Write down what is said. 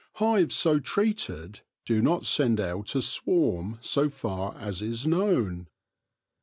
Hives so treated do not send out a swarm so far as is known.